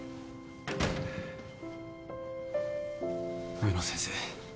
植野先生